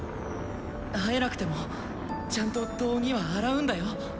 会えなくてもちゃんと道着は洗うんだよ」。